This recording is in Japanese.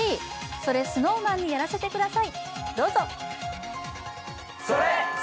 「それＳｎｏｗＭａｎにやらせて下さい」。